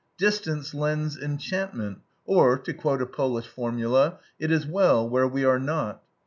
Distance lends enchantment or, to quote a Polish formula "it is well where we are not."